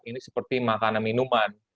ini seperti makanan minuman